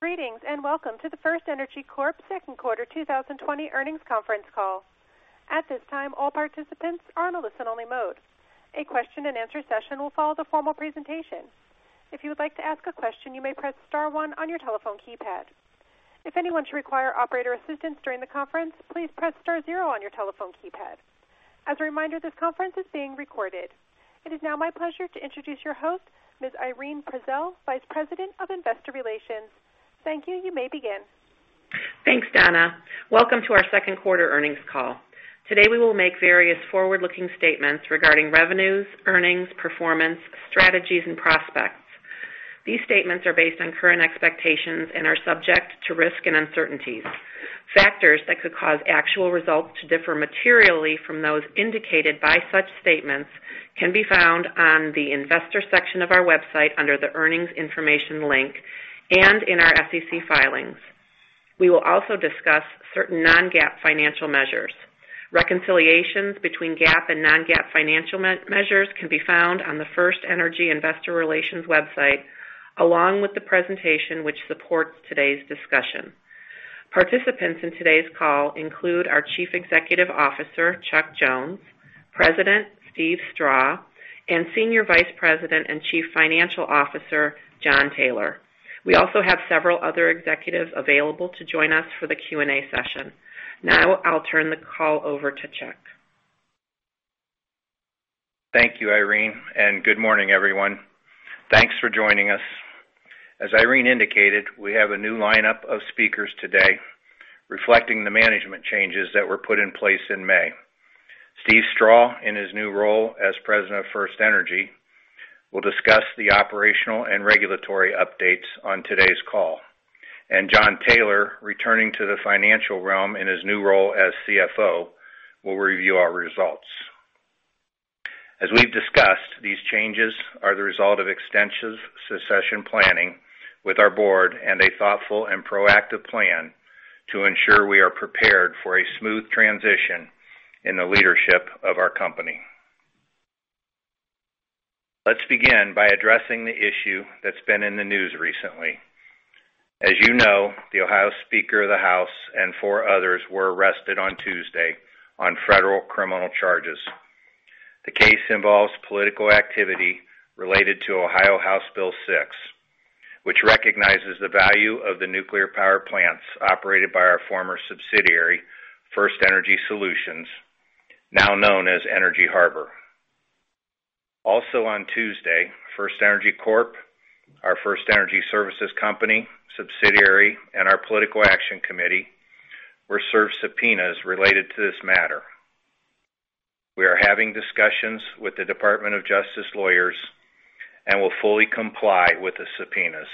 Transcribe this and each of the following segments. Greetings, welcome to the FirstEnergy Corp second quarter 2020 earnings conference call. At this time, all participants are on a listen-only mode. A question-and-answer session will follow the formal presentation. If you would like to ask a question, you may press star one on your telephone keypad. If anyone should require operator assistance during the conference, please press star zero on your telephone keypad. As a reminder, this conference is being recorded. It is now my pleasure to introduce your host, Ms. Irene Prezelj, Vice President of Investor Relations. Thank you. You may begin. Thanks, Donna. Welcome to our second quarter earnings call. Today, we will make various forward-looking statements regarding revenues, earnings, performance, strategies, and prospects. These statements are based on current expectations and are subject to risk and uncertainties. Factors that could cause actual results to differ materially from those indicated by such statements can be found on the investor section of our website under the earnings information link and in our SEC filings. We will also discuss certain non-GAAP financial measures. Reconciliations between GAAP and non-GAAP financial measures can be found on the FirstEnergy investor relations website, along with the presentation which supports today's discussion. Participants in today's call include our Chief Executive Officer, Chuck Jones, President Steve Strah, and Senior Vice President and Chief Financial Officer, Jon Taylor. We also have several other executives available to join us for the Q&A session. Now, I'll turn the call over to Chuck. Thank you, Irene. Good morning, everyone. Thanks for joining us. As Irene indicated, we have a new lineup of speakers today reflecting the management changes that were put in place in May. Steve Strah, in his new role as President of FirstEnergy, will discuss the operational and regulatory updates on today's call. Jon Taylor, returning to the financial realm in his new role as CFO, will review our results. As we've discussed, these changes are the result of extensive succession planning with our board and a thoughtful and proactive plan to ensure we are prepared for a smooth transition in the leadership of our company. Let's begin by addressing the issue that's been in the news recently. As you know, the Ohio Speaker of the House and four others were arrested on Tuesday on federal criminal charges. The case involves political activity related to Ohio House Bill 6, which recognizes the value of the nuclear power plants operated by our former subsidiary, FirstEnergy Solutions, now known as Energy Harbor. Also on Tuesday, FirstEnergy Corp., our FirstEnergy Service Company subsidiary, and our political action committee were served subpoenas related to this matter. We are having discussions with the Department of Justice lawyers and will fully comply with the subpoenas.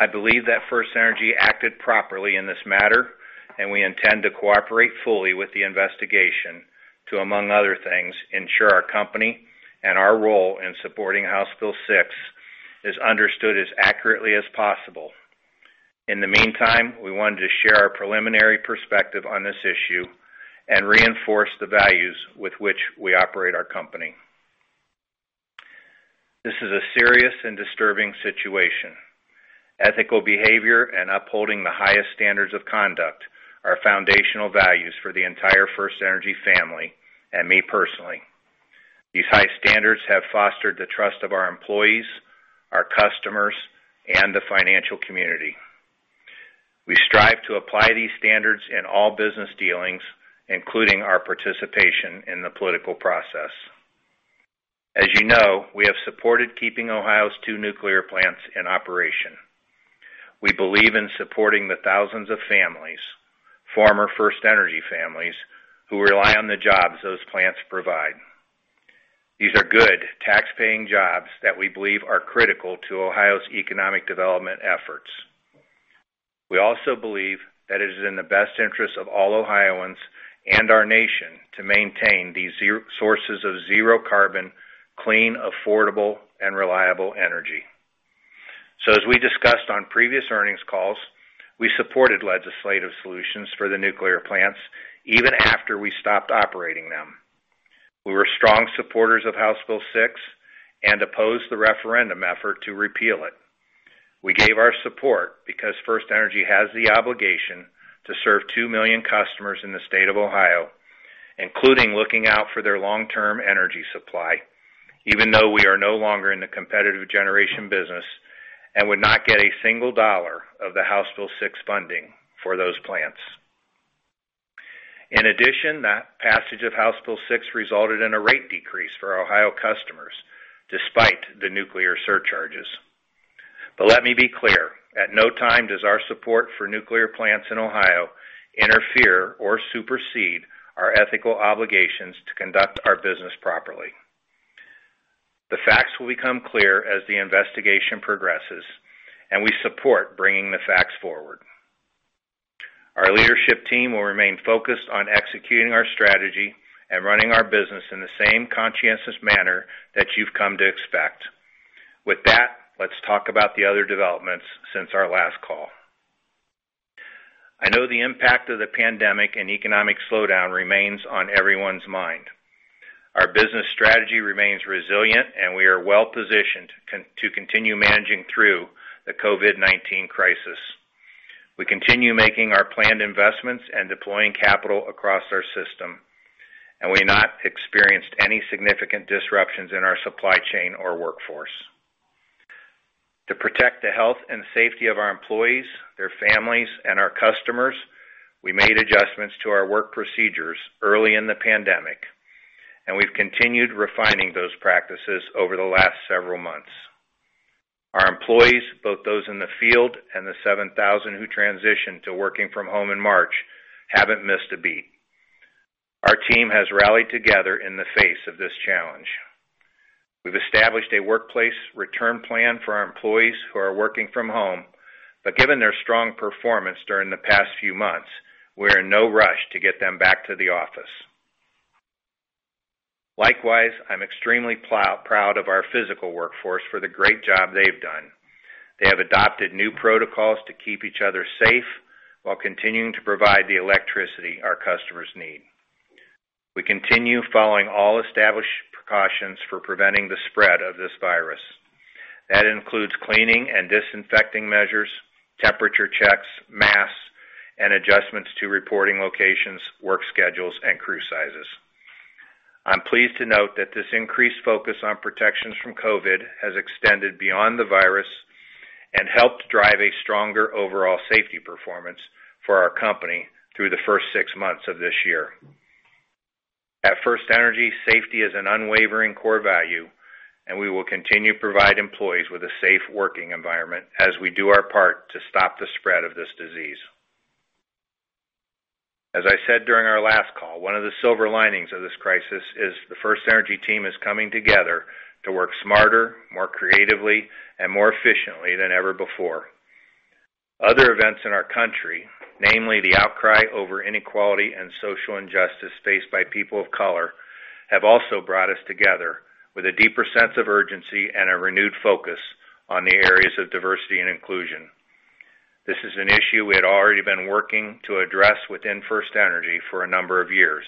I believe that FirstEnergy acted properly in this matter, and we intend to cooperate fully with the investigation to, among other things, ensure our company and our role in supporting House Bill 6 is understood as accurately as possible. In the meantime, we wanted to share our preliminary perspective on this issue and reinforce the values with which we operate our company. This is a serious and disturbing situation. Ethical behavior and upholding the highest standards of conduct are foundational values for the entire FirstEnergy family and me personally. These high standards have fostered the trust of our employees, our customers, and the financial community. We strive to apply these standards in all business dealings, including our participation in the political process. As you know, we have supported keeping Ohio's two nuclear plants in operation. We believe in supporting the thousands of families, former FirstEnergy families, who rely on the jobs those plants provide. These are good tax-paying jobs that we believe are critical to Ohio's economic development efforts. We also believe that it is in the best interest of all Ohioans and our nation to maintain these sources of zero carbon, clean, affordable, and reliable energy. As we discussed on previous earnings calls, we supported legislative solutions for the nuclear plants even after we stopped operating them. We were strong supporters of House Bill 6 and opposed the referendum effort to repeal it. We gave our support because FirstEnergy has the obligation to serve 2 million customers in the state of Ohio, including looking out for their long-term energy supply, even though we are no longer in the competitive generation business and would not get a single $1 of the House Bill 6 funding for those plants. In addition, that passage of House Bill 6 resulted in a rate decrease for Ohio customers, despite the nuclear surcharges. Let me be clear, at no time does our support for nuclear plants in Ohio interfere or supersede our ethical obligations to conduct our business properly. The facts will become clear as the investigation progresses, and we support bringing the facts forward. Our leadership team will remain focused on executing our strategy and running our business in the same conscientious manner that you've come to expect. With that, let's talk about the other developments since our last call. I know the impact of the pandemic and economic slowdown remains on everyone's mind. Our business strategy remains resilient, and we are well-positioned to continue managing through the COVID-19 crisis. We continue making our planned investments and deploying capital across our system, and we not experienced any significant disruptions in our supply chain or workforce. To protect the health and safety of our employees, their families, and our customers, we made adjustments to our work procedures early in the pandemic, and we've continued refining those practices over the last several months. Our employees, both those in the field and the 7,000 who transitioned to working from home in March, haven't missed a beat. Our team has rallied together in the face of this challenge. We've established a workplace return plan for our employees who are working from home, but given their strong performance during the past few months, we're in no rush to get them back to the office. Likewise, I'm extremely proud of our physical workforce for the great job they've done. They have adopted new protocols to keep each other safe while continuing to provide the electricity our customers need. We continue following all established precautions for preventing the spread of this virus. That includes cleaning and disinfecting measures, temperature checks, masks, and adjustments to reporting locations, work schedules, and crew sizes. I'm pleased to note that this increased focus on protections from COVID has extended beyond the virus and helped drive a stronger overall safety performance for our company through the first six months of this year. At FirstEnergy, safety is an unwavering core value, and we will continue to provide employees with a safe working environment as we do our part to stop the spread of this disease. As I said during our last call, one of the silver linings of this crisis is the FirstEnergy team is coming together to work smarter, more creatively, and more efficiently than ever before. Other events in our country, namely the outcry over inequality and social injustice faced by people of color, have also brought us together with a deeper sense of urgency and a renewed focus on the areas of diversity and inclusion. This is an issue we had already been working to address within FirstEnergy for a number of years,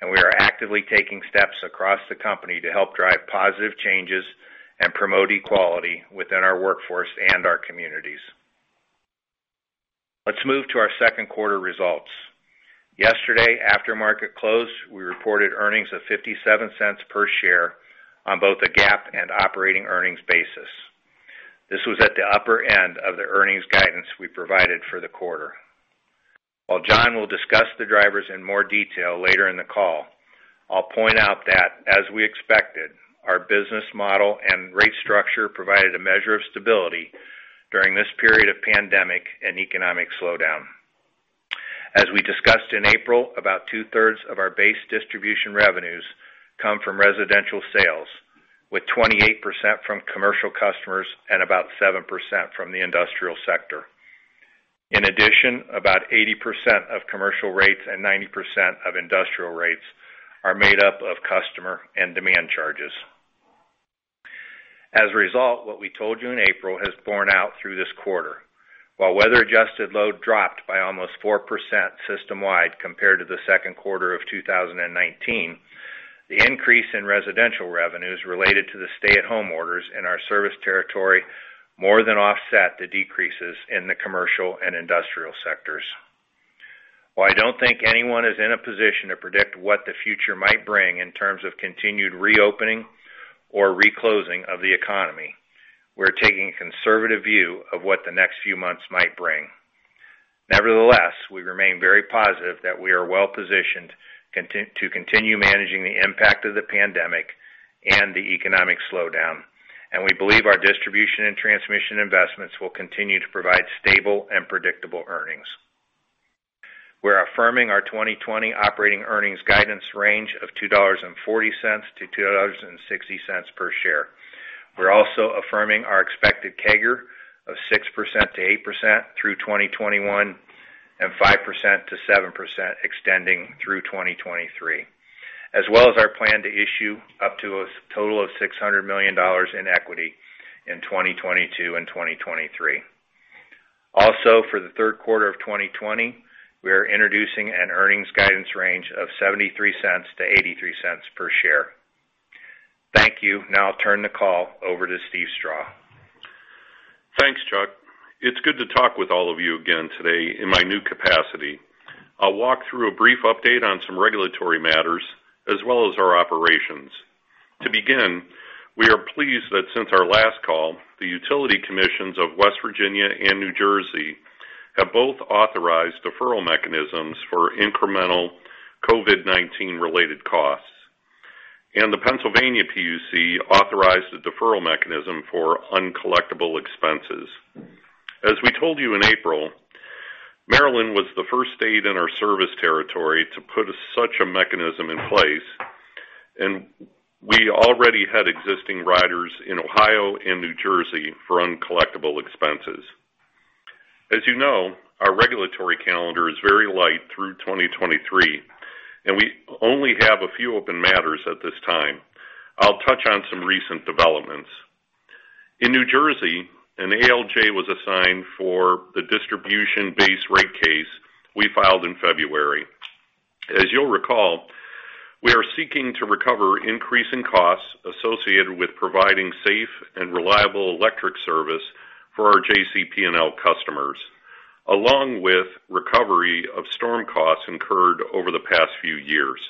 and we are actively taking steps across the company to help drive positive changes and promote equality within our workforce and our communities. Let's move to our second quarter results. Yesterday, after market close, we reported earnings of $0.57 per share on both the GAAP and operating earnings basis. This was at the upper end of the earnings guidance we provided for the quarter. While Jon will discuss the drivers in more detail later in the call, I'll point out that, as we expected, our business model and rate structure provided a measure of stability during this period of pandemic and economic slowdown. As we discussed in April, about 2/3s of our base distribution revenues come from residential sales, with 28% from commercial customers and about 7% from the industrial sector. In addition, about 80% of commercial rates and 90% of industrial rates are made up of customer and demand charges. As a result, what we told you in April has borne out through this quarter. While weather-adjusted load dropped by almost 4% system-wide compared to the second quarter of 2019, the increase in residential revenues related to the stay-at-home orders in our service territory more than offset the decreases in the commercial and industrial sectors. While I don't think anyone is in a position to predict what the future might bring in terms of continued reopening or re-closing of the economy, we're taking a conservative view of what the next few months might bring. Nevertheless, we remain very positive that we are well-positioned to continue managing the impact of the pandemic and the economic slowdown, and we believe our distribution and transmission investments will continue to provide stable and predictable earnings. We're affirming our 2020 operating earnings guidance range of $2.40-$2.60 per share. We're also affirming our expected CAGR of 6%-8% through 2021, and 5%-7% extending through 2023, as well as our plan to issue up to a total of $600 million in equity in 2022 and 2023. Also, for the third quarter of 2020, we are introducing an earnings guidance range of $0.73-$0.83 per share. Thank you. Now I'll turn the call over to Steve Strah. Thanks, Chuck. It's good to talk with all of you again today in my new capacity. I'll walk through a brief update on some regulatory matters as well as our operations. To begin, we are pleased that since our last call, the utility commissions of West Virginia and New Jersey have both authorized deferral mechanisms for incremental COVID-19-related costs, and the Pennsylvania PUC authorized a deferral mechanism for uncollectable expenses. As we told you in April, Maryland was the first state in our service territory to put such a mechanism in place, and we already had existing riders in Ohio and New Jersey for uncollectable expenses. As you know, our regulatory calendar is very light through 2023, and we only have a few open matters at this time. I'll touch on some recent developments. In New Jersey, an ALJ was assigned for the distribution-based rate case we filed in February. As you'll recall, we are seeking to recover increasing costs associated with providing safe and reliable electric service for our JCP&L customers, along with recovery of storm costs incurred over the past few years.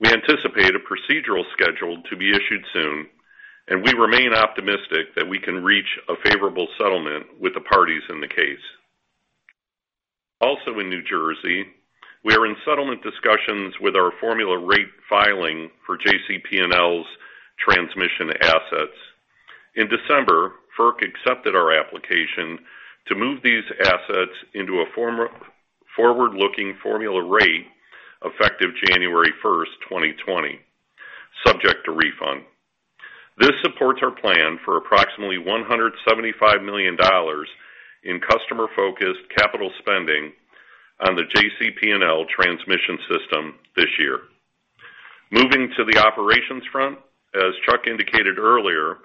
We anticipate a procedural schedule to be issued soon. We remain optimistic that we can reach a favorable settlement with the parties in the case. Also, in New Jersey, we are in settlement discussions with our formula rate filing for JCP&L's transmission assets. In December, FERC accepted our application to move these assets into a forward-looking formula rate effective January 1st, 2020, subject to refund. This supports our plan for approximately $175 million in customer-focused capital spending on the JCP&L transmission system this year. Moving to the operations front, as Chuck indicated earlier,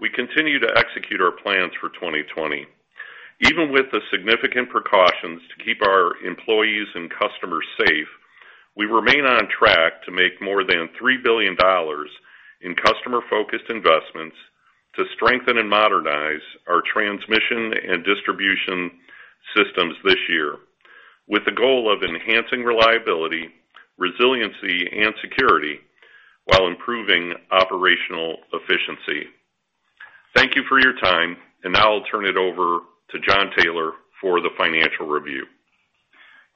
we continue to execute our plans for 2020. Even with the significant precautions to keep our employees and customers safe, we remain on track to make more than $3 billion in customer-focused investments to strengthen and modernize our transmission and distribution systems this year with the goal of enhancing reliability, resiliency, and security while improving operational efficiency. Thank you for your time. Now I'll turn it over to Jon Taylor for the financial review.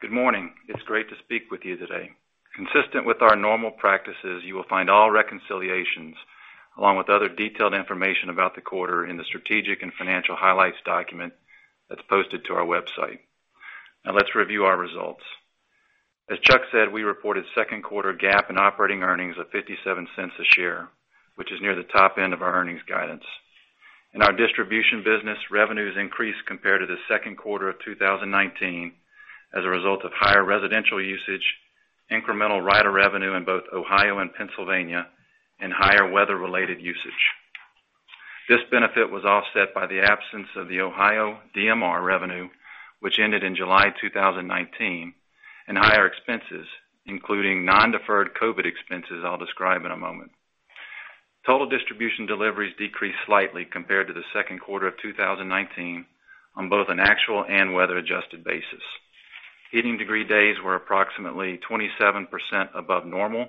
Good morning. It's great to speak with you today. Consistent with our normal practices, you will find all reconciliations along with other detailed information about the quarter in the strategic and financial highlights document that's posted to our website. Now let's review our results. As Chuck said, we reported second quarter GAAP and operating earnings of $0.57 a share, which is near the top end of our earnings guidance. In our distribution business, revenues increased compared to the second quarter of 2019 as a result of higher residential usage, incremental rider revenue in both Ohio and Pennsylvania, and higher weather-related usage. This benefit was offset by the absence of the Ohio DMR revenue, which ended in July 2019, and higher expenses, including non-deferred COVID expenses I'll describe in a moment. Total distribution deliveries decreased slightly compared to the second quarter of 2019 on both an actual and weather-adjusted basis. Heating degree days were approximately 27% above normal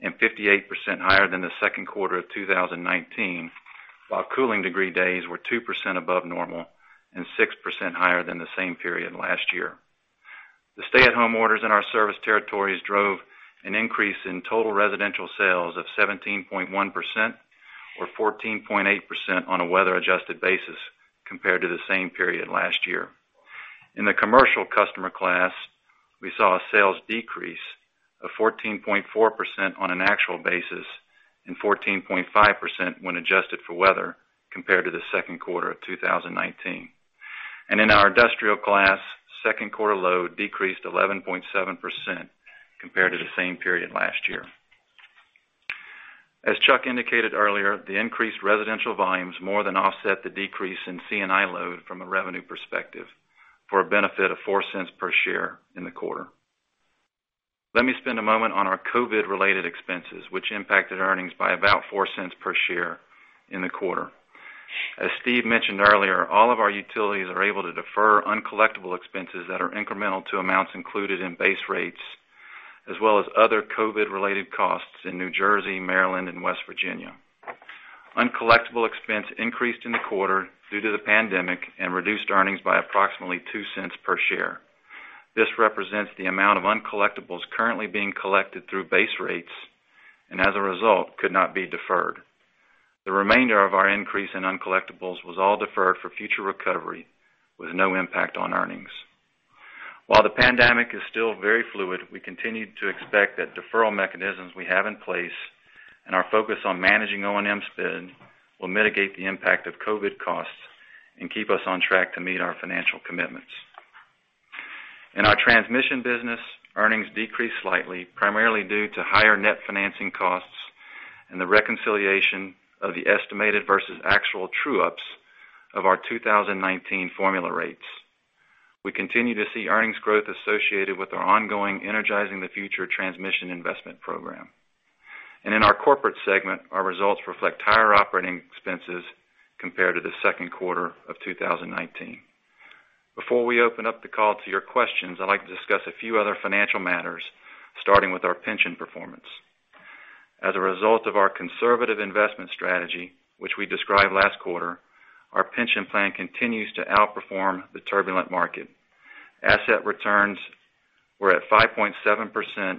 and 58% higher than the second quarter of 2019, while cooling degree days were 2% above normal and 6% higher than the same period last year. The stay-at-home orders in our service territories drove an increase in total residential sales of 17.1% or 14.8% on a weather-adjusted basis compared to the same period last year. In the commercial customer class, we saw a sales decrease of 14.4% on an actual basis and 14.5% when adjusted for weather compared to the second quarter of 2019. In our industrial class, second quarter load decreased 11.7% compared to the same period last year. As Chuck indicated earlier, the increased residential volumes more than offset the decrease in C&I load from a revenue perspective for a benefit of $0.04 per share in the quarter. Let me spend a moment on our COVID-related expenses, which impacted earnings by about $0.04 per share in the quarter. As Steve mentioned earlier, all of our utilities are able to defer uncollectible expenses that are incremental to amounts included in base rates, as well as other COVID-related costs in New Jersey, Maryland, and West Virginia. Uncollectible expense increased in the quarter due to the pandemic and reduced earnings by approximately $0.02 per share. This represents the amount of uncollectibles currently being collected through base rates, and as a result, could not be deferred. The remainder of our increase in uncollectibles was all deferred for future recovery with no impact on earnings. While the pandemic is still very fluid, we continue to expect that deferral mechanisms we have in place and our focus on managing O&M spend will mitigate the impact of COVID-19 costs and keep us on track to meet our financial commitments. In our transmission business, earnings decreased slightly, primarily due to higher net financing costs and the reconciliation of the estimated versus actual true-ups of our 2019 formula rates. We continue to see earnings growth associated with our ongoing Energizing the Future transmission investment program. In our corporate segment, our results reflect higher operating expenses compared to the second quarter of 2019. Before we open up the call to your questions, I'd like to discuss a few other financial matters, starting with our pension performance. As a result of our conservative investment strategy, which we described last quarter, our pension plan continues to outperform the turbulent market. Asset returns were at 5.7%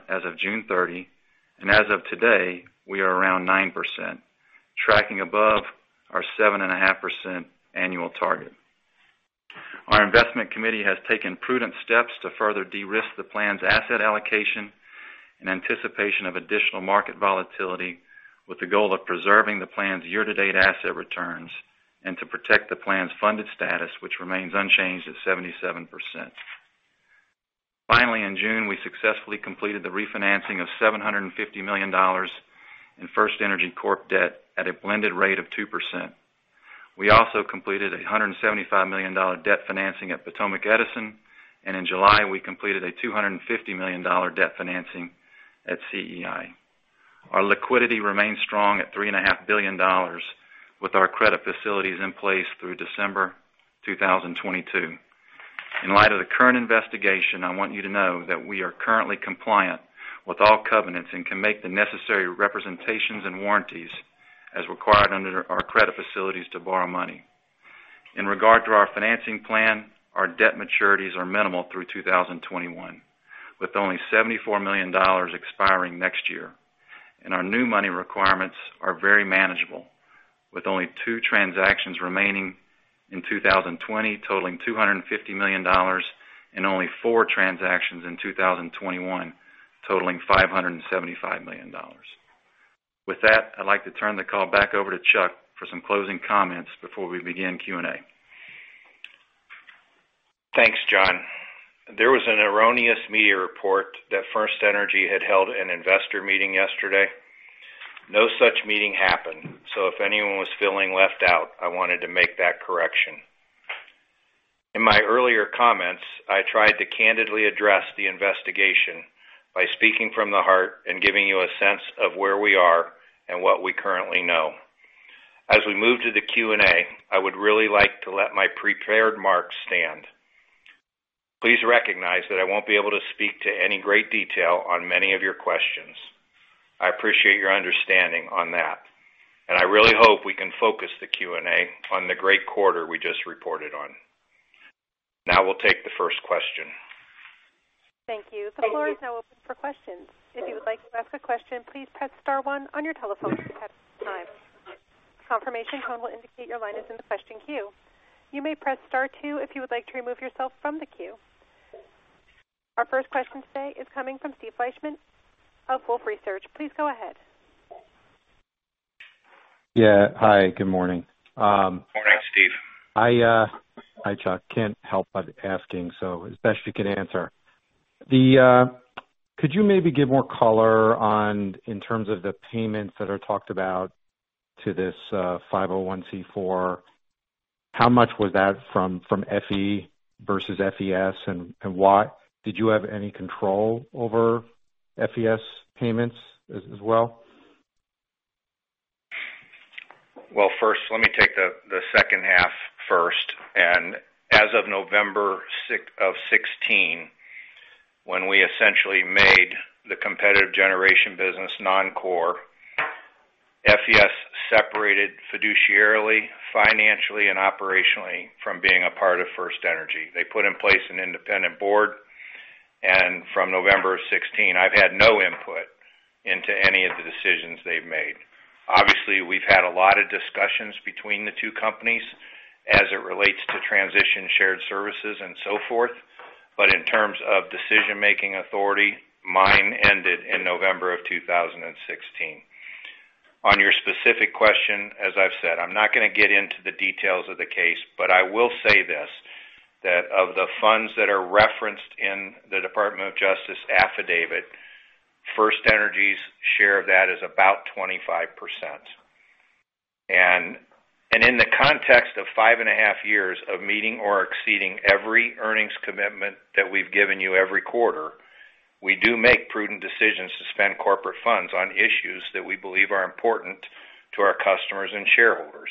as of June 30, and as of today, we are around 9%, tracking above our 7.5% annual target. Our investment committee has taken prudent steps to further de-risk the plan's asset allocation in anticipation of additional market volatility with the goal of preserving the plan's year-to-date asset returns and to protect the plan's funded status, which remains unchanged at 77%. Finally, in June, we successfully completed the refinancing of $750 million in FirstEnergy Corp debt at a blended rate of 2%. We also completed a $175 million debt financing at Potomac Edison, and in July, we completed a $250 million debt financing at CEI. Our liquidity remains strong at $3.5 billion with our credit facilities in place through December 2022. In light of the current investigation, I want you to know that we are currently compliant with all covenants and can make the necessary representations and warranties as required under our credit facilities to borrow money. In regard to our financing plan, our debt maturities are minimal through 2021, with only $74 million expiring next year. Our new money requirements are very manageable, with only two transactions remaining in 2020 totaling $250 million and only four transactions in 2021 totaling $575 million. With that, I'd like to turn the call back over to Chuck for some closing comments before we begin Q&A. Thanks, Jon. There was an erroneous media report that FirstEnergy had held an an investor meeting yesterday. No such meeting happened. If anyone was feeling left out, I wanted to make that correction. In my earlier comments, I tried to candidly address the investigation by speaking from the heart and giving you a sense of where we are and what we currently know. As we move to the Q&A, I would really like to let my prepared marks stand. Please recognize that I won't be able to speak to any great detail on many of your questions. I appreciate your understanding on that, and I really hope we can focus the Q&A on the great quarter we just reported on. We'll take the first question. Thank you. The floor is now open for questions. If you would like to ask a question, please press star one on your telephone keypad at this time. Confirmation tone will indicate your line is in the question queue. You may press star two if you would like to remove yourself from the queue. Our first question today is coming from Steve Fleishman of Wolfe Research. Please go ahead. Yeah. Hi, good morning. Morning, Steve. Hi, Chuck. Can't help but asking, so as best you can answer. Could you maybe give more color on in terms of the payments that are talked about to this 501(c)(4), how much was that from FE versus FES? Did you have any control over FES payments as well? Well, first, let me take the second half first. As of November of 2016, when we essentially made the competitive generation business non-core, FES separated fiduciarily, financially, and operationally from being a part of FirstEnergy. They put in place an independent board, and from November of 2016, I've had no input into any of the decisions they've made. Obviously, we've had a lot of discussions between the two companies as it relates to transition shared services and so forth, but in terms of decision-making authority, mine ended in November of 2016. On your specific question, as I've said, I'm not going to get into the details of the case, but I will say this, that of the funds that are referenced in the Department of Justice affidavit, FirstEnergy's share of that is about 25%. In the context of five and a half years of meeting or exceeding every earnings commitment that we've given you every quarter, we do make prudent decisions to spend corporate funds on issues that we believe are important to our customers and shareholders.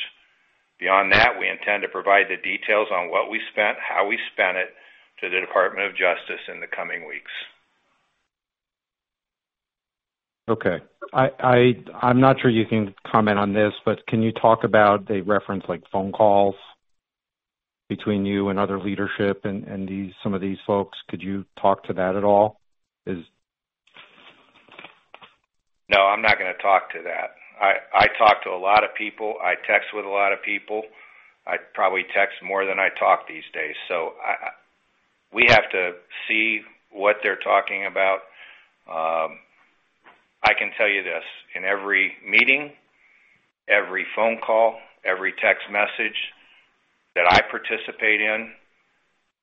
Beyond that, we intend to provide the details on what we spent, how we spent it to the Department of Justice in the coming weeks. Okay. I'm not sure you can comment on this, can you talk about the reference, like phone calls between you and other leadership and some of these folks? Could you talk to that at all? I'm not going to talk to that. I talk to a lot of people. I text with a lot of people. I probably text more than I talk these days. We have to see what they're talking about. I can tell you this. In every meeting, every phone call, every text message that I participate in,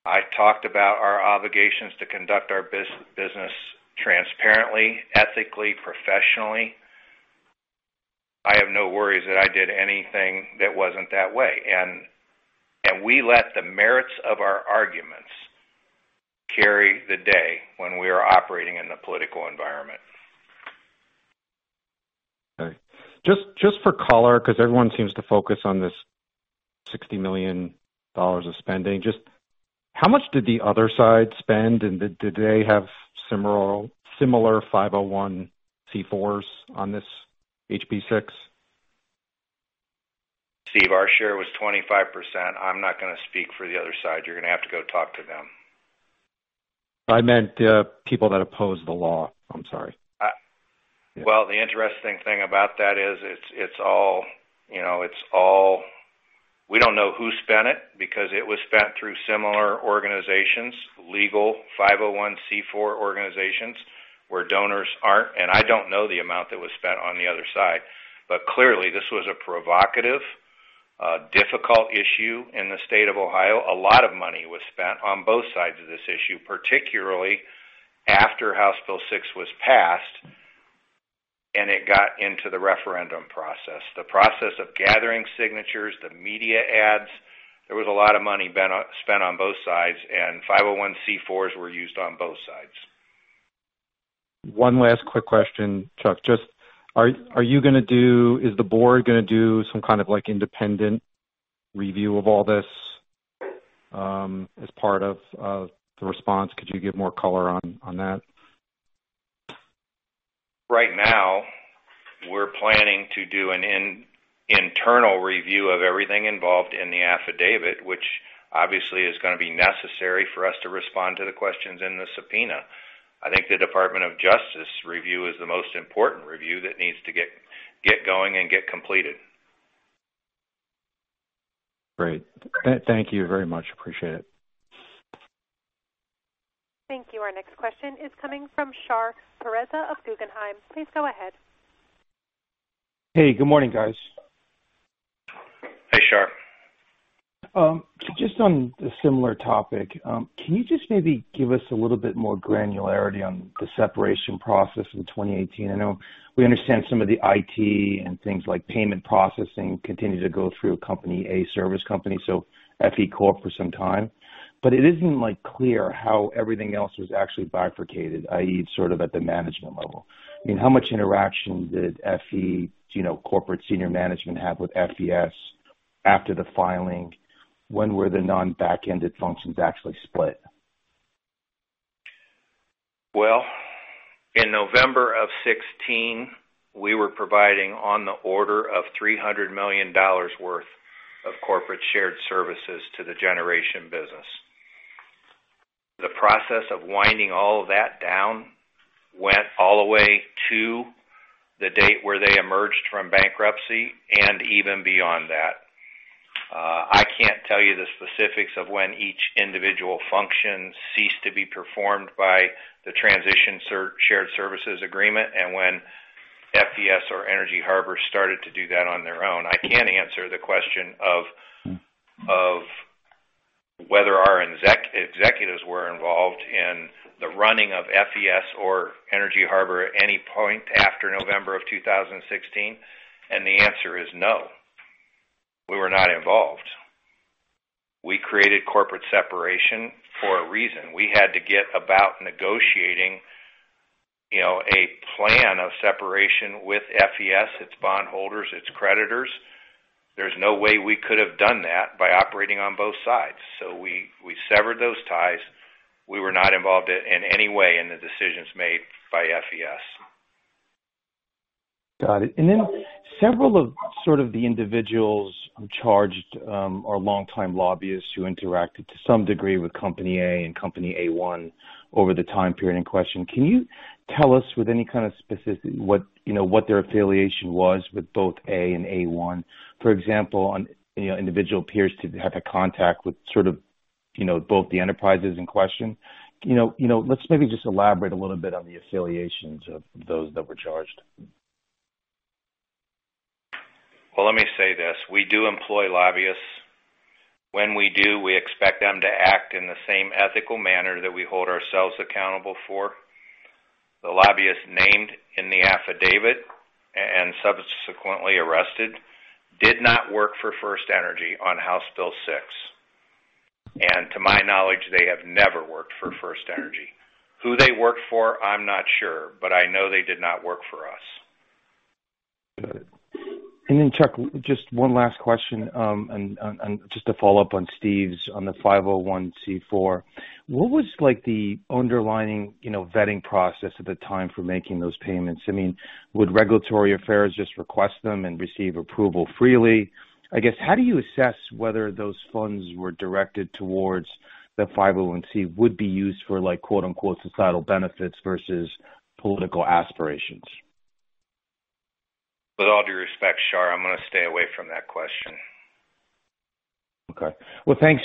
I talked about our obligations to conduct our business transparently, ethically, professionally. I have no worries that I did anything that wasn't that way. We let the merits of our arguments carry the day when we are operating in the political environment. Okay. Just for color, because everyone seems to focus on this $60 million of spending. Just how much did the other side spend, and did they have similar 501(c)(4)s on this HB6? Steve, our share was 25%. I'm not going to speak for the other side. You're going to have to go talk to them. I meant people that opposed the law. I'm sorry. Well, the interesting thing about that is it's all we don't know who spent it because it was spent through similar organizations, legal 501(c)(4) organizations where donors aren't. I don't know the amount that was spent on the other side. Clearly, this was a difficult issue in the state of Ohio. A lot of money was spent on both sides of this issue, particularly after House Bill 6 was passed and it got into the referendum process. The process of gathering signatures, the media ads, there was a lot of money spent on both sides, and 501(c)(4)s were used on both sides. One last quick question, Chuck. Is the board going to do some kind of independent review of all this as part of the response? Could you give more color on that? Right now, we're planning to do an internal review of everything involved in the affidavit, which obviously is going to be necessary for us to respond to the questions in the subpoena. I think the Department of Justice review is the most important review that needs to get going and get completed. Great. Thank you very much. Appreciate it. Thank you. Our next question is coming from Shar Pourreza of Guggenheim. Please go ahead. Hey, good morning, guys. Hey, Shar. Just on a similar topic. Can you just maybe give us a little bit more granularity on the separation process in 2018? I know we understand some of the IT and things like payment processing continue to go through Company A, Service Company, so FE Corp for some time. It isn't clear how everything else was actually bifurcated, i.e., sort of at the management level. How much interaction did FE corporate senior management have with FES after the filing? When were the non-back-ended functions actually split? In November of 2016, we were providing on the order of $300 million worth of corporate shared services to the generation business. The process of winding all of that down went all the way to the date where they emerged from bankruptcy and even beyond that. I can't tell you the specifics of when each individual function ceased to be performed by the transition shared services agreement and when FES or Energy Harbor started to do that on their own. I can answer the question of whether our executives were involved in the running of FES or Energy Harbor at any point after November of 2016. The answer is no. We were not involved. We created corporate separation for a reason. We had to get about negotiating a plan of separation with FES, its bondholders, its creditors. There's no way we could have done that by operating on both sides. We severed those ties. We were not involved in any way in the decisions made by FES. Got it. Then several of sort of the individuals charged are longtime lobbyists who interacted to some degree with Company A and Company A1 over the time period in question. Can you tell us with any kind of specific what their affiliation was with both A and A1? For example, individual appears to have had contact with sort of both the enterprises in question. Let's maybe just elaborate a little bit on the affiliations of those that were charged. Well, let me say this. We do employ lobbyists. When we do, we expect them to act in the same ethical manner that we hold ourselves accountable for. The lobbyists named in the affidavit and subsequently arrested did not work for FirstEnergy on House Bill 6. To my knowledge, they have never worked for FirstEnergy. Who they work for, I'm not sure, but I know they did not work for us. Got it. Then Chuck, just one last question, and just to follow-up on Steve's on the 501(c)(4). What was the underlying vetting process at the time for making those payments? Would regulatory affairs just request them and receive approval freely? I guess, how do you assess whether those funds were directed towards the 501(c) would be used for "societal benefits" versus political aspirations? With all due respect, Shar, I'm going to stay away from that question. Okay. Well, thanks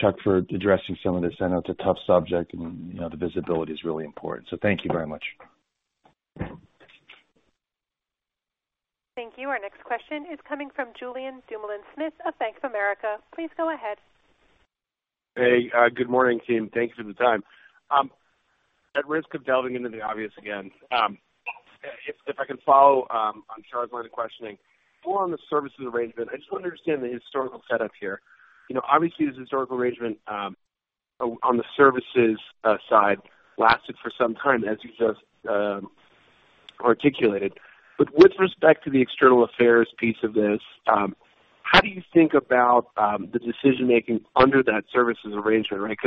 Chuck for addressing some of this. I know it's a tough subject and the visibility is really important. Thank you very much. Thank you. Our next question is coming from Julien Dumoulin-Smith of Bank of America. Please go ahead. Hey, good morning, team. Thanks for the time. At risk of delving into the obvious again, if I can follow on Shar's line of questioning. More on the services arrangement. I just want to understand the historical setup here. Obviously, this historical arrangement on the services side lasted for some time, as you just articulated. With respect to the external affairs piece of this, how do you think about the decision-making under that services arrangement, right?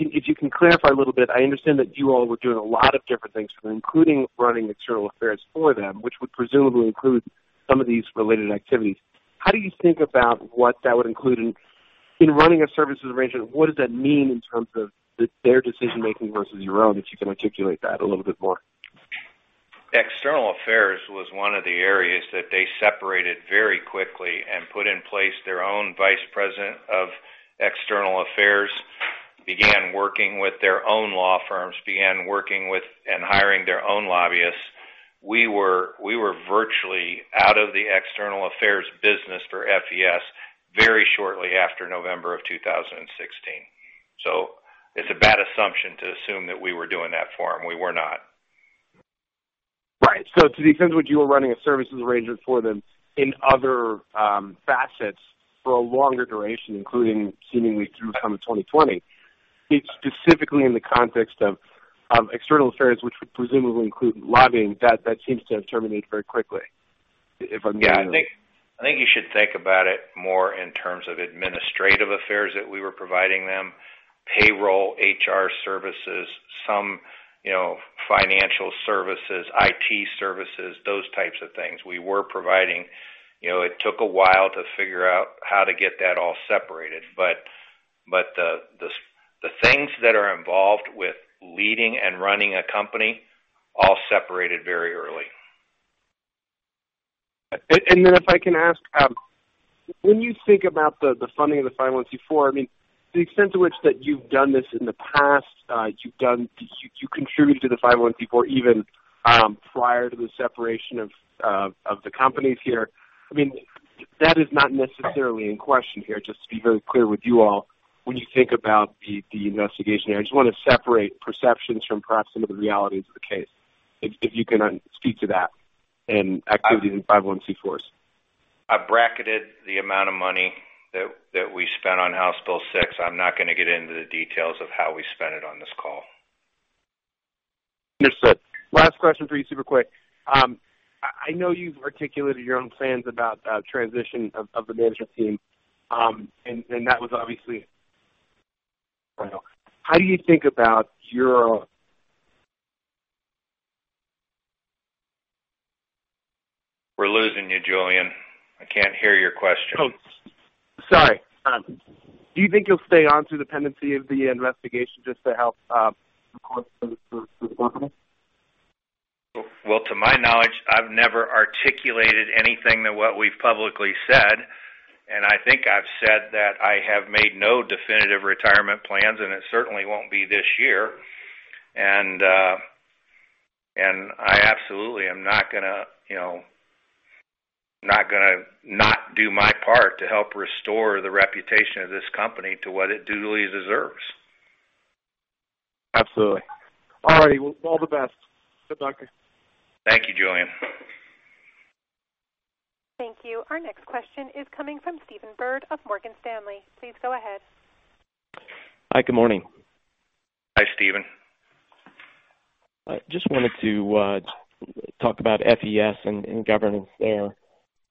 If you can clarify a little bit, I understand that you all were doing a lot of different things for them, including running external affairs for them, which would presumably include some of these related activities. How do you think about what that would include in running a services arrangement? What does that mean in terms of their decision-making versus your own, if you can articulate that a little bit more? External affairs was one of the areas that they separated very quickly and put in place their own vice president of external affairs. Began working with their own law firms, began working with and hiring their own lobbyists. We were virtually out of the external affairs business for FES very shortly after November of 2016. It's a bad assumption to assume that we were doing that for them. We were not. Right. To the extent which you were running a services arrangement for them in other facets for a longer duration, including seemingly through coming 2020, specifically in the context of external affairs, which would presumably include lobbying, that seems to have terminated very quickly. I think you should think about it more in terms of administrative affairs that we were providing them, payroll, HR services, some financial services, IT services, those types of things we were providing. It took a while to figure out how to get that all separated. The things that are involved with leading and running a company all separated very early. If I can ask, when you think about the funding of the 501(c)(4), the extent to which that you've done this in the past, you contributed to the 501(c)(4) even prior to the separation of the companies here. That is not necessarily in question here, just to be very clear with you all, when you think about the investigation here. I just want to separate perceptions from perhaps some of the realities of the case, if you can speak to that and activities in 501(c)(4)s. I bracketed the amount of money that we spent on House Bill 6. I'm not going to get into the details of how we spent it on this call. Understood. Last question for you, super quick. I know you've articulated your own plans about transition of the management team. How do you think about your? We're losing you, Julien. I can't hear your question. Oh, sorry. Do you think you'll stay on through the pendency of the investigation just to help? Well, to my knowledge, I've never articulated anything than what we've publicly said, and I think I've said that I have made no definitive retirement plans, and it certainly won't be this year. I absolutely am not going to not do my part to help restore the reputation of this company to what it duly deserves. Absolutely. All righty. Well, all the best. Good luck. Thank you, Julien. Thank you. Our next question is coming from Stephen Byrd of Morgan Stanley. Please go ahead. Hi, good morning. Hi, Stephen. I just wanted to talk about FES and governance there.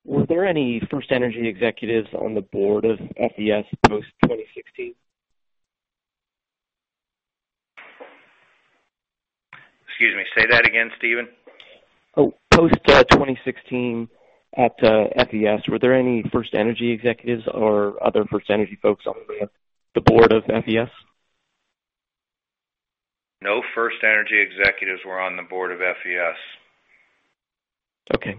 Were there any FirstEnergy executives on the board of FES post 2016? Excuse me, say that again, Stephen. Oh, post 2016 at FES, were there any FirstEnergy executives or other FirstEnergy folks on the board of FES? No FirstEnergy executives were on the board of FES. Okay.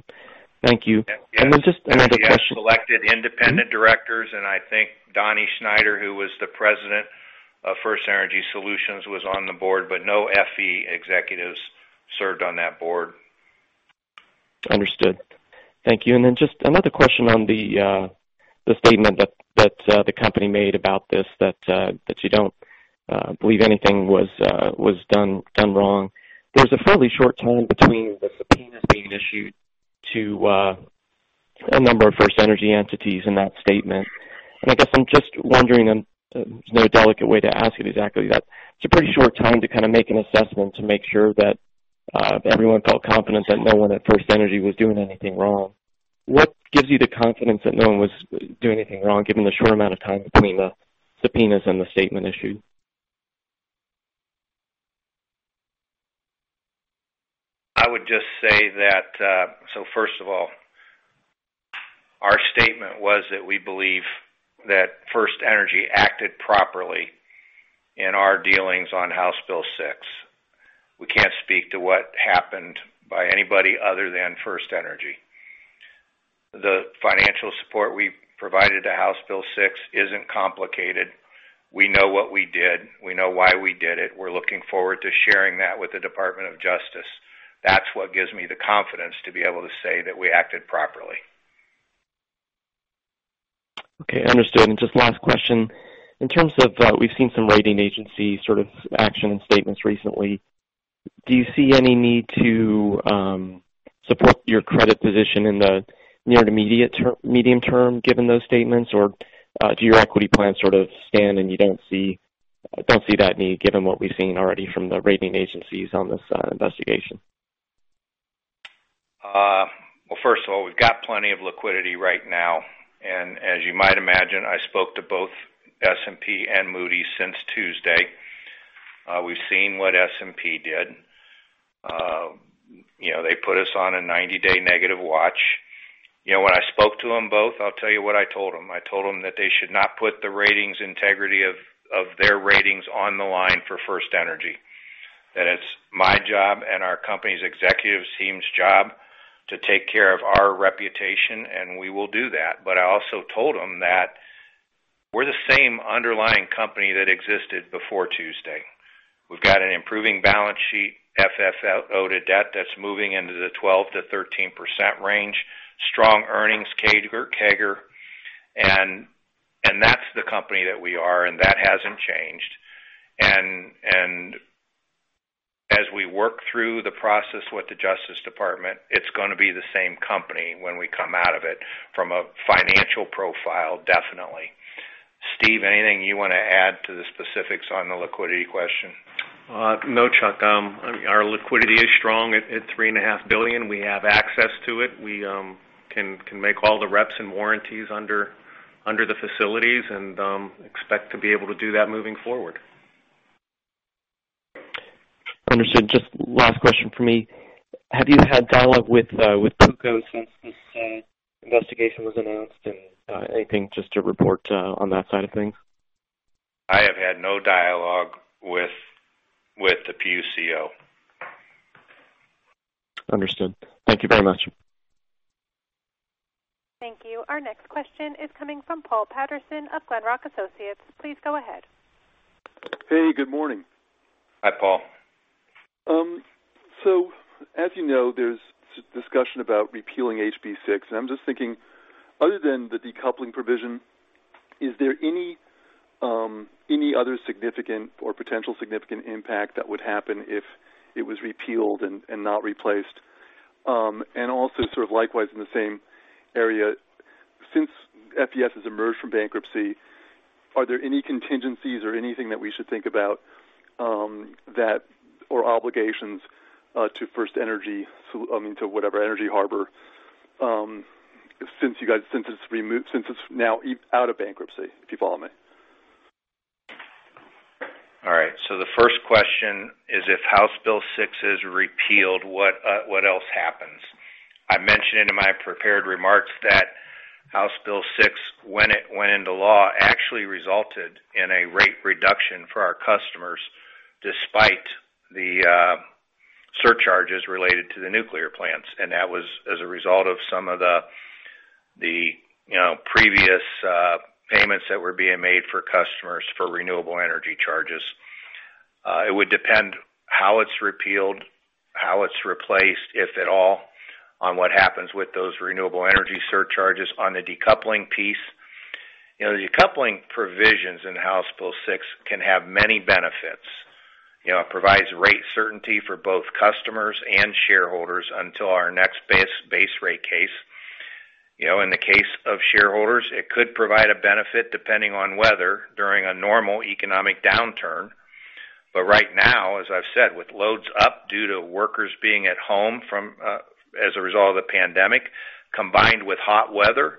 Thank you. Then just another question. FES selected independent directors, and I think Donnie Schneider, who was the president of FirstEnergy Solutions, was on the board, but no FE executives served on that board. Understood. Thank you. Just another question on the statement that the company made about this, that you don't believe anything was done wrong. There's a fairly short time between the subpoenas being issued to a number of FirstEnergy entities in that statement. I guess I'm just wondering, and there's no delicate way to ask it exactly, that it's a pretty short time to kind of make an assessment to make sure that everyone felt confident that no one at FirstEnergy was doing anything wrong. What gives you the confidence that no one was doing anything wrong, given the short amount of time between the subpoenas and the statement issued? I would just say that, first of all, our statement was that we believe that FirstEnergy acted properly in our dealings on House Bill 6. We can't speak to what happened by anybody other than FirstEnergy. The financial support we provided to House Bill 6 isn't complicated. We know what we did. We know why we did it. We're looking forward to sharing that with the Department of Justice. That's what gives me the confidence to be able to say that we acted properly. Okay, understood. Just last question. In terms of, we've seen some rating agency sort of action and statements recently. Do you see any need to support your credit position in the near to medium term, given those statements? Do your equity plans sort of stand and you don't see that need given what we've seen already from the rating agencies on this investigation? Well, first of all, we've got plenty of liquidity right now. As you might imagine, I spoke to both S&P and Moody's since Tuesday. We've seen what S&P did. They put us on a 90-day negative watch. When I spoke to them both, I'll tell you what I told them. I told them that they should not put the ratings integrity of their ratings on the line for FirstEnergy. That it's my job and our company's executive team's job to take care of our reputation, and we will do that. I also told them that we're the same underlying company that existed before Tuesday. We've got an improving balance sheet, FFO to debt that's moving into the 12%-13% range, strong earnings CAGR. That's the company that we are, and that hasn't changed. As we work through the process with the Justice Department, it's going to be the same company when we come out of it from a financial profile, definitely. Steve, anything you want to add to the specifics on the liquidity question? No, Chuck. Our liquidity is strong at $3.5 billion. We have access to it. We can make all the reps and warranties under the facilities and expect to be able to do that moving forward. Understood. Just last question from me. Have you had dialogue with PUCO since this investigation was announced, and anything just to report on that side of things? I have had no dialogue with the PUCO. Understood. Thank you very much. Thank you. Our next question is coming from Paul Patterson of Glenrock Associates. Please go ahead. Hey, good morning. Hi, Paul. As you know, there's discussion about repealing HB6, and I'm just thinking, other than the decoupling provision, is there any other significant or potential significant impact that would happen if it was repealed and not replaced? Also sort of likewise in the same area, since FES has emerged from bankruptcy, are there any contingencies or anything that we should think about, or obligations, to FirstEnergy, to whatever Energy Harbor, since it's now out of bankruptcy? If you follow me. All right. The first question is if House Bill 6 is repealed, what else happens? I mentioned in my prepared remarks that House Bill 6, when it went into law, actually resulted in a rate reduction for our customers despite the surcharges related to the nuclear plants. That was as a result of some of the previous payments that were being made for customers for renewable energy charges. It would depend how it's repealed, how it's replaced, if at all, on what happens with those renewable energy surcharges. On the decoupling piece, the decoupling provisions in House Bill 6 can have many benefits. It provides rate certainty for both customers and shareholders until our next base rate case. In the case of shareholders, it could provide a benefit depending on weather during a normal economic downturn. Right now, as I've said, with loads up due to workers being at home as a result of the pandemic, combined with hot weather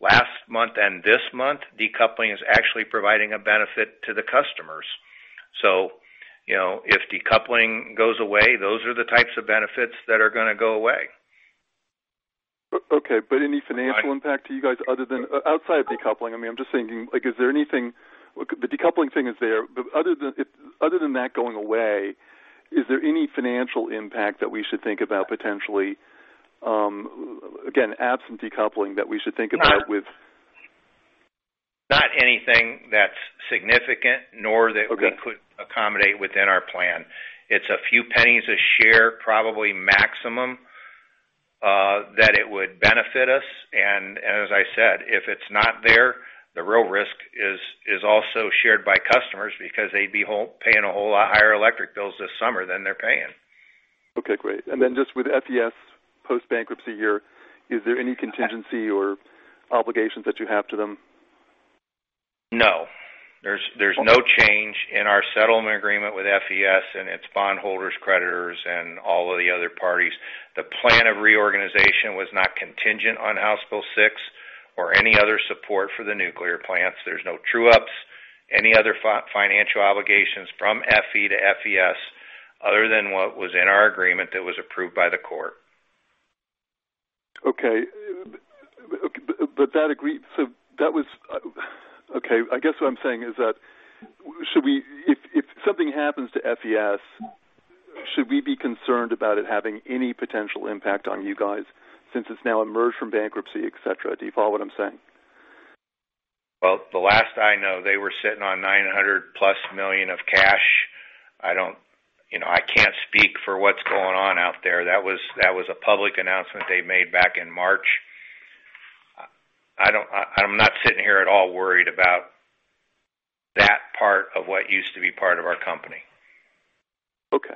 last month and this month, decoupling is actually providing a benefit to the customers. If decoupling goes away, those are the types of benefits that are going to go away. Okay. Any financial impact to you guys other outside of decoupling? I'm just thinking, the decoupling thing is there, but other than that going away, is there any financial impact that we should think about potentially, again, absent decoupling? Not anything that's significant nor that we could accommodate within our plan. It's a few pennies a share, probably maximum, that it would benefit us. As I said, if it's not there, the real risk is also shared by customers because they'd be paying a whole lot higher electric bills this summer than they're paying. Okay, great. Then just with FES post-bankruptcy here, is there any contingency or obligations that you have to them? No. There's no change in our settlement agreement with FES and its bondholders, creditors, and all of the other parties. The plan of reorganization was not contingent on House Bill 6 or any other support for the nuclear plants. There's no true-ups, any other financial obligations from FE to FES, other than what was in our agreement that was approved by the court. Okay. I guess what I'm saying is that, if something happens to FES, should we be concerned about it having any potential impact on you guys since it's now emerged from bankruptcy, et cetera? Do you follow what I'm saying? Well, the last I know, they were sitting on $900+ million of cash. I can't speak for what's going on out there. That was a public announcement they made back in March. I'm not sitting here at all worried about that part of what used to be part of our company. Okay.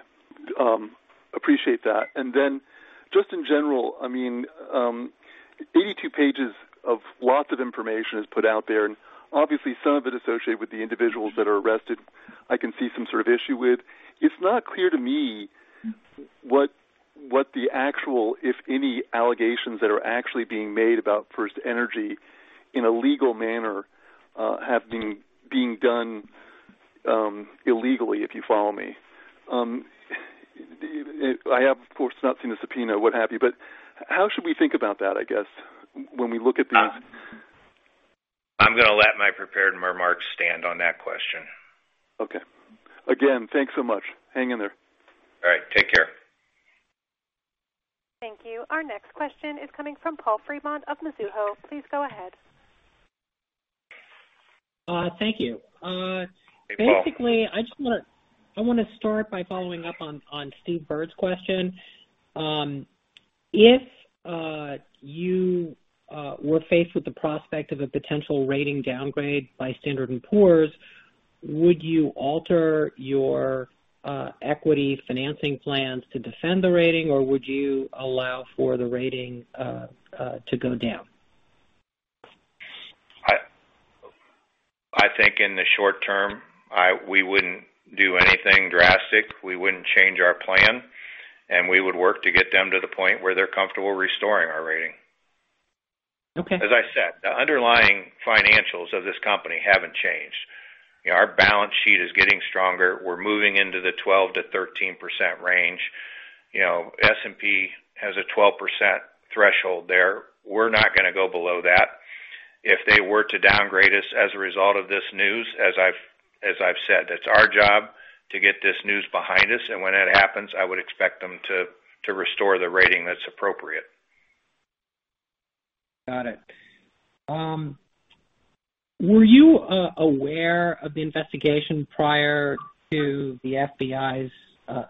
Appreciate that. Just in general, 82 pages of lots of information is put out there, and obviously some of it associated with the individuals that are arrested, I can see some sort of issue with. It's not clear to me what the actual, if any, allegations that are actually being made about FirstEnergy in a legal manner, have been being done illegally, if you follow me. I have, of course, not seen the subpoena, what have you, but how should we think about that, I guess? I'm going to let my prepared remarks stand on that question. Okay. Again, thanks so much. Hang in there. All right, take care. Thank you. Our next question is coming from Paul Fremont of Mizuho. Please go ahead. Thank you. Hey, Paul. Basically, I want to start by following up on Stephen Byrd's question. If you were faced with the prospect of a potential rating downgrade by Standard & Poor's, would you alter your equity financing plans to defend the rating, or would you allow for the rating to go down? I think in the short term, we wouldn't do anything drastic. We wouldn't change our plan. We would work to get them to the point where they're comfortable restoring our rating. Okay. As I said, the underlying financials of this company haven't changed. Our balance sheet is getting stronger. We're moving into the 12%-13% range. S&P has a 12% threshold there. We're not going to go below that. If they were to downgrade us as a result of this news, as I've said, it's our job to get this news behind us, and when that happens, I would expect them to restore the rating that's appropriate. Got it. Were you aware of the investigation prior to the FBI's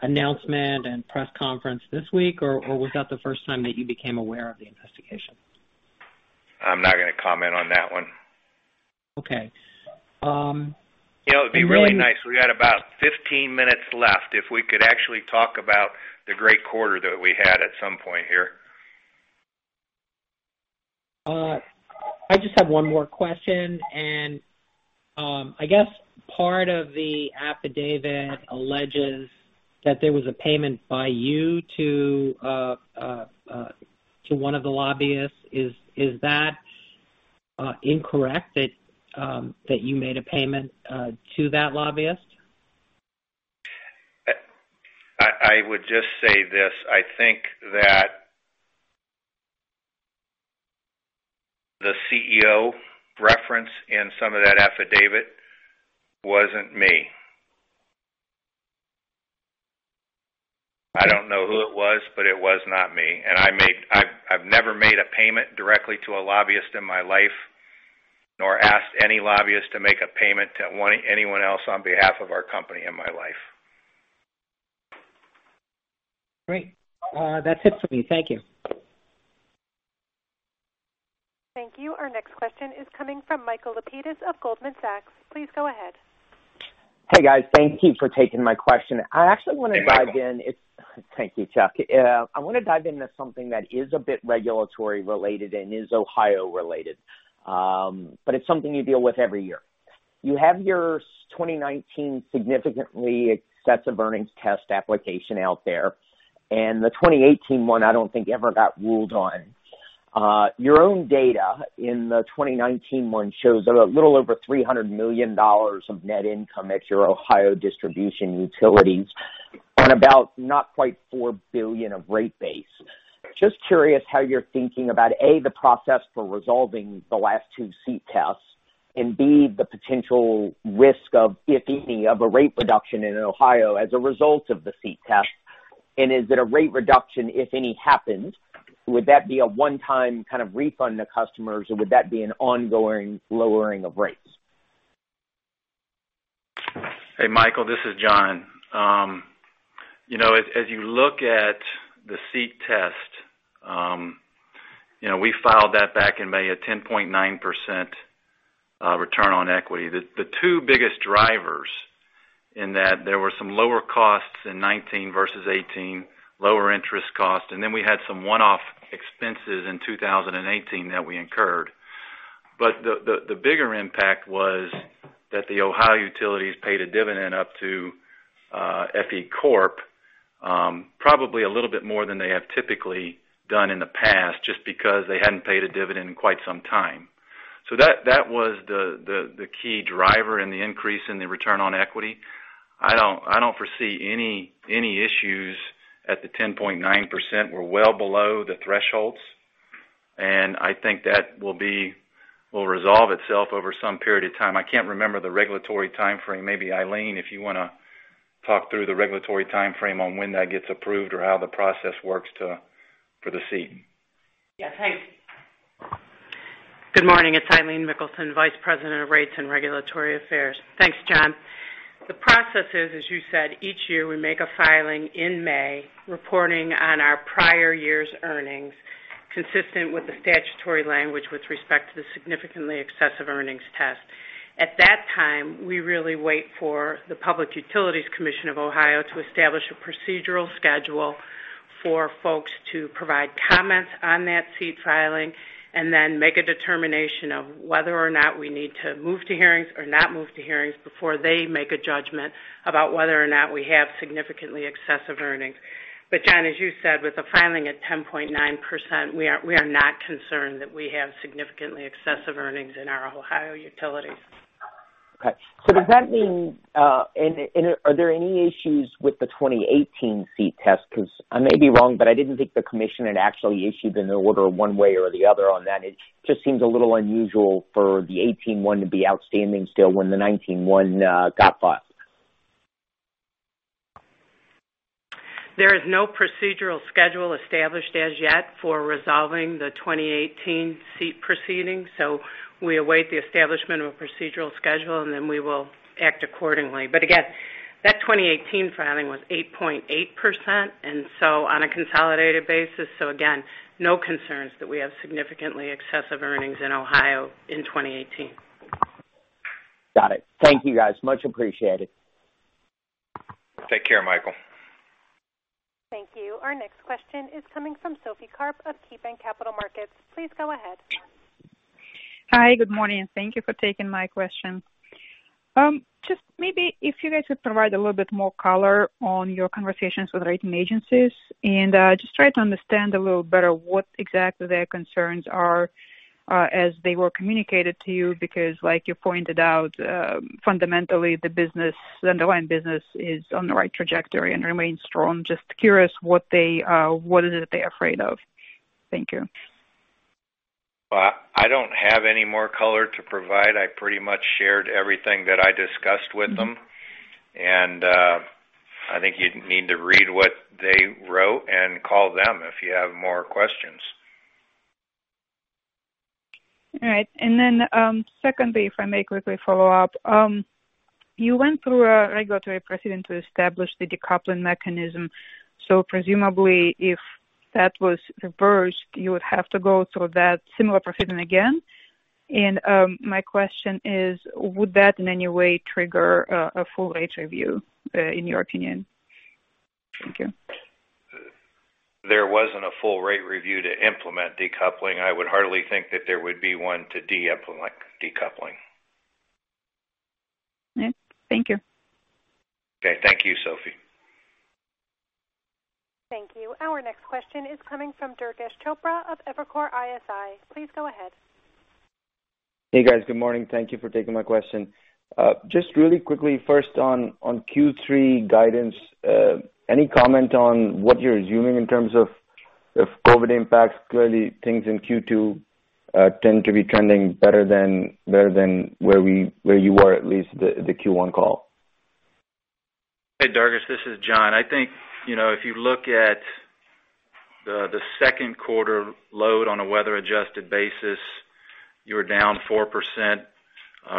announcement and press conference this week, or was that the first time that you became aware of the investigation? I'm not going to comment on that one. Okay. It would be really nice, we got about 15 minutes left, if we could actually talk about the great quarter that we had at some point here. I just have one more question. I guess part of the affidavit alleges that there was a payment by you to one of the lobbyists. Is that incorrect, that you made a payment to that lobbyist? I would just say this. I think that the CEO reference in some of that affidavit wasn't me. I don't know who it was, but it was not me. I've never made a payment directly to a lobbyist in my life, nor asked any lobbyist to make a payment to anyone else on behalf of our company in my life. Great. That's it for me. Thank you. Thank you. Our next question is coming from Michael Lapides of Goldman Sachs. Please go ahead. Hey, guys. Thank you for taking my question. Hey, Michael. Thank you, Chuck. I want to dive into something that is a bit regulatory related and is Ohio related, but it's something you deal with every year. You have your 2019 Significantly Excessive Earnings Test application out there, and the 2018 one I don't think ever got ruled on. Your own data in the 2019 one shows a little over $300 million of net income at your Ohio distribution utilities and about not quite $4 billion of rate base. Just curious how you're thinking about, A, the process for resolving the last two SEET tests, and B, the potential risk of, if any, of a rate reduction in Ohio as a result of the SEET test. Is it a rate reduction, if any happened, would that be a one-time kind of refund to customers, or would that be an ongoing lowering of rates? Hey, Michael, this is Jon. As you look at the SEET test, we filed that back in May at 10.9% return on equity. The two biggest drivers in that there were some lower costs in 2019 versus 2018, lower interest cost, and then we had some one-off expenses in 2018 that we incurred. The bigger impact was that the Ohio utilities paid a dividend up to FE Corp, probably a little bit more than they have typically done in the past, just because they hadn't paid a dividend in quite some time. That was the key driver in the increase in the return on equity. I don't foresee any issues at the 10.9%. We're well below the thresholds, and I think that will resolve itself over some period of time. I can't remember the regulatory timeframe. Maybe Eileen, if you want to talk through the regulatory timeframe on when that gets approved or how the process works for the SEET. Yes. Thanks. Good morning. It's Eileen Mikkelsen, Vice President of Rates and Regulatory Affairs. Thanks, Jon. The process is, as you said, each year we make a filing in May reporting on our prior year's earnings, consistent with the statutory language with respect to the Significantly Excessive Earnings Test. At that time, we really wait for the Public Utilities Commission of Ohio to establish a procedural schedule for folks to provide comments on that SEET filing and then make a determination of whether or not we need to move to hearings or not move to hearings before they make a judgment about whether or not we have significantly excessive earnings. Jon, as you said, with a filing at 10.9%, we are not concerned that we have significantly excessive earnings in our Ohio utilities. Does that mean, are there any issues with the 2018 SEET test? I may be wrong, but I didn't think the commission had actually issued an order one way or the other on that. It just seems a little unusual for the 2018 one to be outstanding still when the 2019 one got filed. There is no procedural schedule established as yet for resolving the 2018 SEET proceedings. We await the establishment of a procedural schedule, and then we will act accordingly. Again, that 2018 filing was 8.8%. On a consolidated basis, so again, no concerns that we have significantly excessive earnings in Ohio in 2018. Got it. Thank you, guys. Much appreciated. Take care, Michael. Thank you. Our next question is coming from Sophie Karp of KeyBanc Capital Markets. Please go ahead. Hi. Good morning. Thank you for taking my question. Just maybe if you guys could provide a little bit more color on your conversations with rating agencies and just try to understand a little better what exactly their concerns are as they were communicated to you. Because like you pointed out, fundamentally the underlying business is on the right trajectory and remains strong. Just curious, what is it they're afraid of? Thank you. I don't have any more color to provide. I pretty much shared everything that I discussed with them, and I think you'd need to read what they wrote and call them if you have more questions. All right. Secondly, if I may quickly follow-up. You went through a regulatory proceeding to establish the decoupling mechanism. Presumably if that was reversed, you would have to go through that similar proceeding again. My question is, would that in any way trigger a full rate review, in your opinion? Thank you. There wasn't a full rate review to implement decoupling. I would hardly think that there would be one to de-implement decoupling. Okay. Thank you. Okay. Thank you, Sophie. Thank you. Our next question is coming from Durgesh Chopra of Evercore ISI. Please go ahead. Hey, guys. Good morning. Thank you for taking my question. Really quickly, first on Q3 guidance, any comment on what you're assuming in terms of COVID impacts? Clearly things in Q2 tend to be trending better than where you were, at least the Q1 call. Hey, Durgesh, this is Jon. I think if you look at the second quarter load on a weather-adjusted basis, you were down 4%.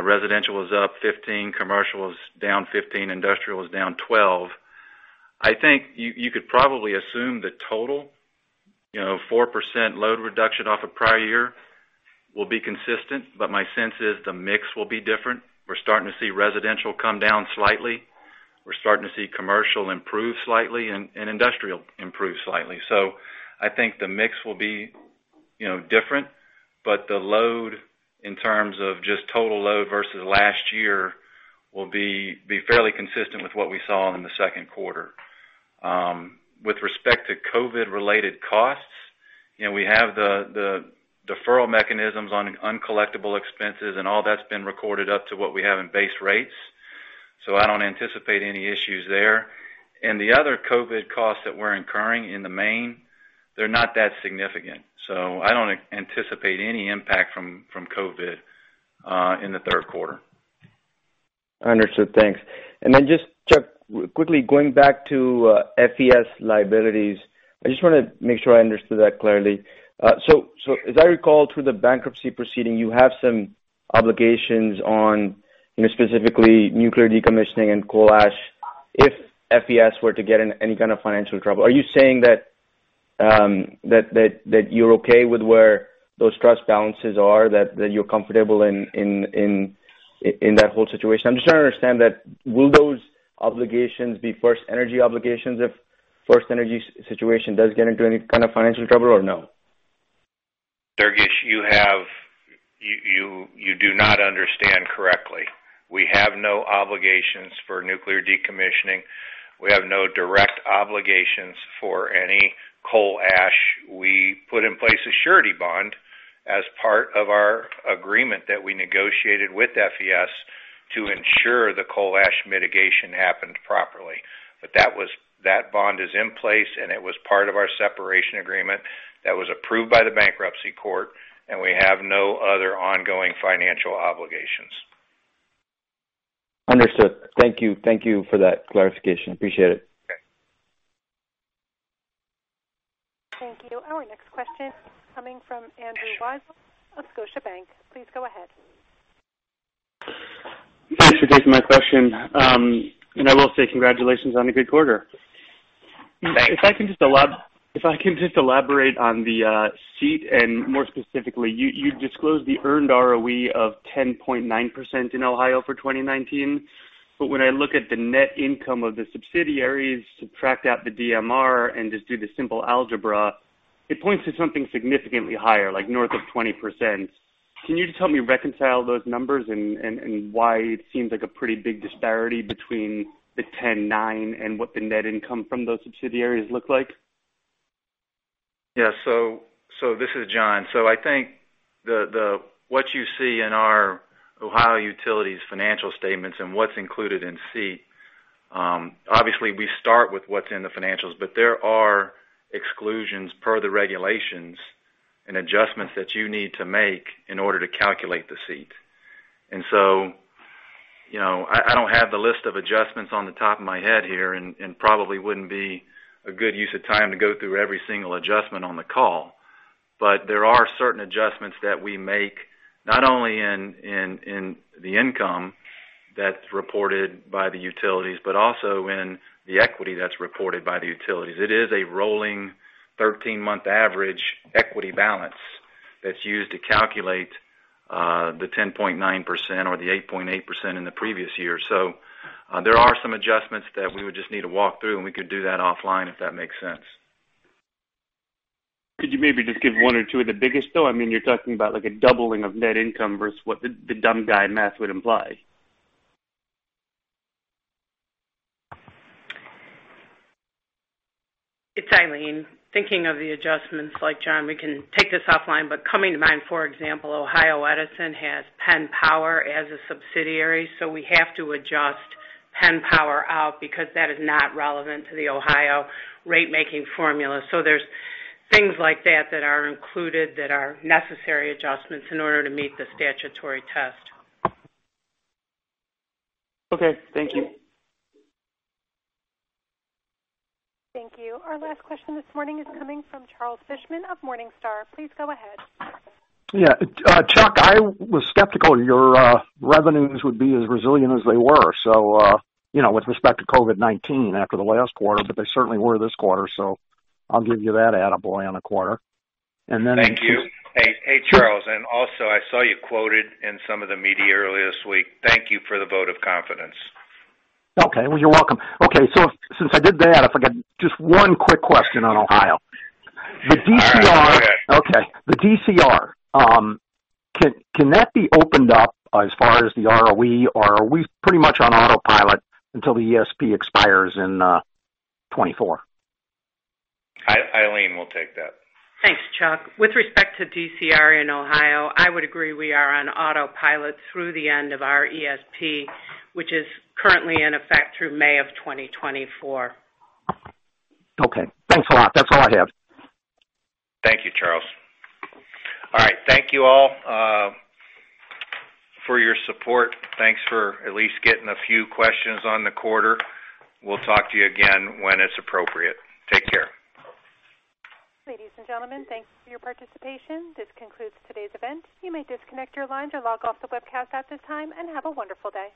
Residential was up 15%, commercial was down 15%, industrial was down 12. I think you could probably assume the total 4% load reduction off of prior year will be consistent, but my sense is the mix will be different. We're starting to see residential come down slightly. We're starting to see commercial improve slightly and industrial improve slightly. I think the mix will be different, but the load in terms of just total load versus last year will be fairly consistent with what we saw in the second quarter. With respect to COVID-related costs, we have the deferral mechanisms on uncollectible expenses and all that's been recorded up to what we have in base rates. I don't anticipate any issues there. The other COVID costs that we're incurring in the main, they're not that significant. I don't anticipate any impact from COVID in the third quarter. Understood. Thanks. Then just, Chuck, quickly going back to FES liabilities. I just want to make sure I understood that clearly. As I recall, through the bankruptcy proceeding, you have some obligations on specifically nuclear decommissioning and coal ash if FES were to get in any kind of financial trouble. Are you saying that you're okay with where those trust balances are, that you're comfortable in that whole situation? I'm just trying to understand that. Will those obligations be FirstEnergy obligations if FirstEnergy's situation does get into any kind of financial trouble or no? Durgesh, you do not understand correctly. We have no obligations for nuclear decommissioning. We have no direct obligations for any coal ash. We put in place a surety bond as part of our agreement that we negotiated with FES to ensure the coal ash mitigation happened properly. That bond is in place, and it was part of our separation agreement that was approved by the bankruptcy court, and we have no other ongoing financial obligations. Understood. Thank you. Thank you for that clarification. Appreciate it. Okay. Thank you. Our next question coming from Andrew Weisel of Scotiabank. Please go ahead. Thanks for taking my question. I will say congratulations on a good quarter. Thanks. If I can just elaborate on the SEET and more specifically, you disclosed the earned ROE of 10.9% in Ohio for 2019. When I look at the net income of the subsidiaries, subtract out the DMR and just do the simple algebra, it points to something significantly higher, like north of 20%. Can you just help me reconcile those numbers and why it seems like a pretty big disparity between the 10.9 and what the net income from those subsidiaries look like? Yeah. This is Jon. I think what you see in our Ohio utilities financial statements and what's included in SEET, obviously we start with what's in the financials, but there are exclusions per the regulations and adjustments that you need to make in order to calculate the SEET. I don't have the list of adjustments on the top of my head here, and probably wouldn't be a good use of time to go through every single adjustment on the call. There are certain adjustments that we make not only in the income that's reported by the utilities, but also in the equity that's reported by the utilities. It is a rolling 13-month average equity balance that's used to calculate the 10.9% or the 8.8% in the previous year. There are some adjustments that we would just need to walk through, and we could do that offline, if that makes sense. Could you maybe just give one or two of the biggest, though? I mean, you're talking about like a doubling of net income versus what the dumb guy math would imply. It's Eileen. Thinking of the adjustments, like Jon, we can take this offline, but coming to mind, for example, Ohio Edison has Penn Power as a subsidiary, so we have to adjust Penn Power out because that is not relevant to the Ohio rate-making formula. There's things like that that are included that are necessary adjustments in order to meet the statutory test. Okay. Thank you. Thank you. Our last question this morning is coming from Charles Fishman of Morningstar. Please go ahead. Yeah. Chuck, I was skeptical your revenues would be as resilient as they were. With respect to COVID-19 after the last quarter, but they certainly were this quarter, so I'll give you that attaboy on the quarter. Thank you. Hey, Charles, also, I saw you quoted in some of the media earlier this week. Thank you for the vote of confidence. Okay. Well, you're welcome. Okay, since I did that, I forgot just one quick question on Ohio. All right. Go ahead. Okay. The DCR, can that be opened up as far as the ROE, or are we pretty much on autopilot until the ESP expires in 2024? Eileen will take that. Thanks, Chuck. With respect to DCR in Ohio, I would agree we are on autopilot through the end of our ESP, which is currently in effect through May of 2024. Okay. Thanks a lot. That's all I have. Thank you, Charles. All right. Thank you all for your support. Thanks for at least getting a few questions on the quarter. We'll talk to you again when it's appropriate. Take care. Ladies and gentlemen, thank you for your participation. This concludes today's event. You may disconnect your lines or log off the webcast at this time, and have a wonderful day.